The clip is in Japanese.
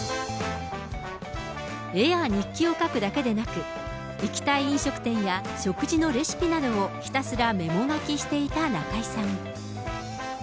絵や日記を書くだけでなく、行きたい飲食店や食事のレシピなどをひたすらメモ書きしていた中居さん。